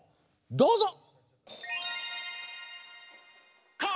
どうぞ！